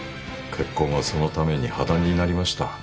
結婚はそのために破談になりました。